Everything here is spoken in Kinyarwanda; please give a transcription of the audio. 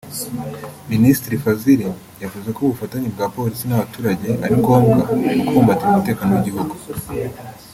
Minisitiri Fazil yavuze ko ubufatanye bwa Polisi n’abaturage ari ngombwa mu kubumbatira umutekano w’igihugu